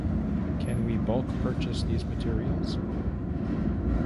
Can we bulk purchase these materials?